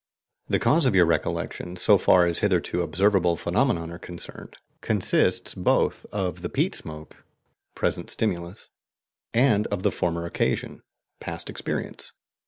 The cause of your recollection, so far as hitherto observable phenomena are concerned, consists both of the peat smoke (present stimulus) and of the former occasion (past experience).